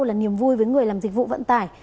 là niềm vui với người làm dịch vụ vận tải